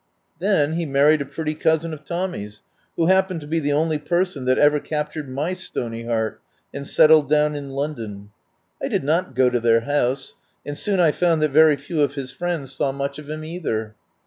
Then he married a pretty cousin of Tom my's, who happened to be the only person that ever captured my stony heart, and settled down in London. I did not go to their house, and soon I found that very few of his friends saw much of him, either.